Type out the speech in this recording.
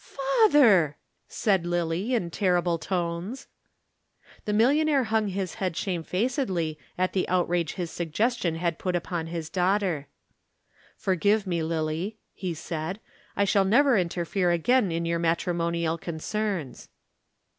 "Father!" said Lillie in terrible tones. The millionaire hung his head shamefacedly at the outrage his suggestion had put upon his daughter. "Forgive me, Lillie," he said; "I shall never interfere again in your matrimonial concerns."